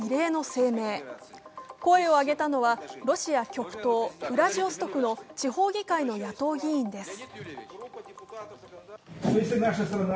声を上げたのは、ロシア極東・ラウジオストクの地方議会の野党議員です。